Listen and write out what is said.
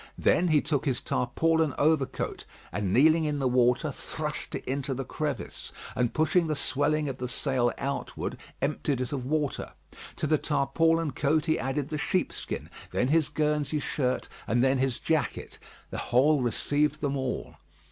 Then he took his tarpaulin overcoat, and kneeling in the water, thrust it into the crevice, and pushing the swelling of the sail outward, emptied it of water. To the tarpaulin coat he added the sheepskin, then his Guernsey shirt, and then his jacket. The hole received them all.